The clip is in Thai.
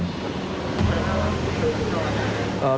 เอ้อน้อยสนเหมือนนั้น